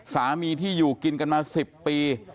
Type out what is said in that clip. สามีที่อยู่กินกันมา๑๐ปี